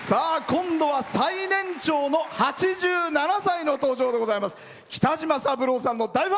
今度は最年長の８７歳の登場でございます。